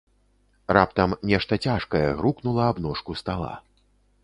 Раптам нешта цяжкае грукнула аб ножку стала.